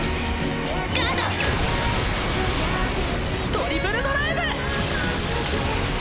トリプルドライブ！